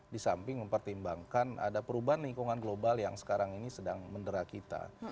di samping mempertimbangkan ada perubahan lingkungan global yang sekarang ini sedang mendera kita